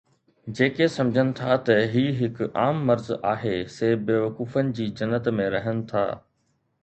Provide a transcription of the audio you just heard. جيڪي سمجهن ٿا ته هي هڪ عام مرض آهي، سي بيوقوفن جي جنت ۾ رهن ٿا